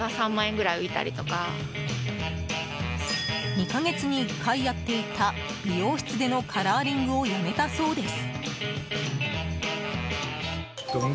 ２か月に１回やっていた美容室でのカラーリングをやめたそうです。